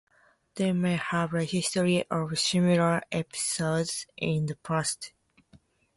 They may have a history of similar episodes in the past.